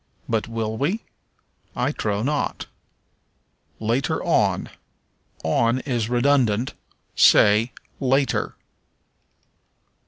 But will we? I trow not. Later on. On is redundant; say, later.